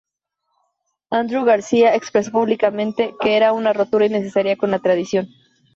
Andreu García expresó públicamente que era una rotura innecesaria con la tradición.